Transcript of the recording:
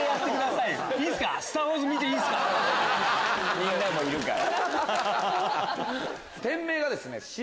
みんなもいるから。